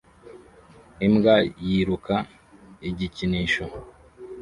Imbwa yiruka igikinisho